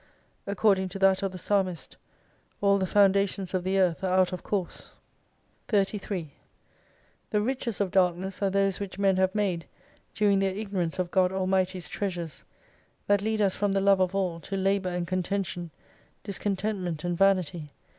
According to that of the psalmist All tht foundations of the Earth are out of course. 33 The riches of darkness are those which men have made, during their ignorance of God Allmighty's treasures : That lead us from the love of all, to labour and contention, discontentment and vanity.